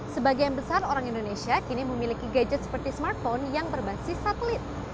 sebagian besar orang indonesia kini memiliki gadget seperti smartphone yang berbasis satelit